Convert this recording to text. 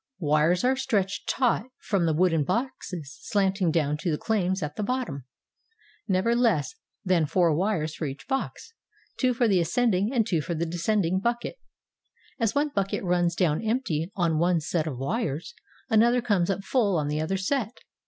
Wires are stretched taut from the wooden boxes slanting down to the claims at the bottom, — never less than four wires for each box, two for the ascending and two for the descending bucket. As one bucket runs down empty on one set of wires, another comes up full on the other set.